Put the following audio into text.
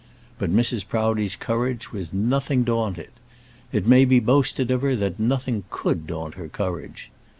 But Mrs. Proudie's courage was nothing daunted. It may be boasted of her that nothing could daunt her courage.